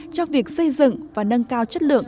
cho việc xây dựng và nâng cao chất lượng